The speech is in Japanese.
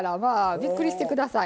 びっくりしてください。